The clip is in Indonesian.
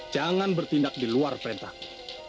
jangan bertindak diluar perintahku